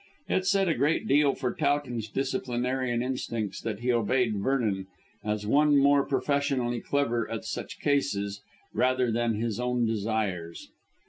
It said a great deal for Towton's disciplinarian instincts that he obeyed Vernon, as one more professionally clever at such cases, rather than his own desires.